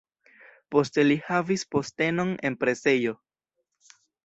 Poste li havis postenon en presejo.